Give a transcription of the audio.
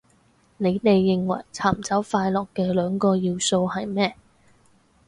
你哋認為尋找快樂嘅兩個要素係咩